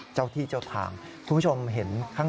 เจ้าที่เจ้าทาง